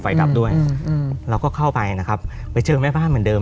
ดับด้วยเราก็เข้าไปนะครับไปเจอแม่บ้านเหมือนเดิม